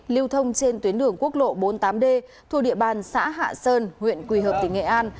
lưu thông trên tuyến đường quốc lộ bốn mươi tám d thuộc địa bàn xã hạ sơn huyện quỳ hợp tỉnh nghệ an